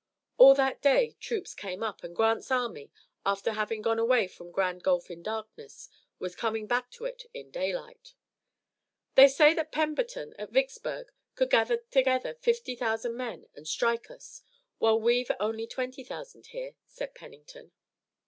All that day troops came up and Grant's army, after having gone away from Grand Gulf in darkness, was coming back to it in daylight. "They say that Pemberton at Vicksburg could gather together fifty thousand men and strike us, while we've only twenty thousand here," said Pennington.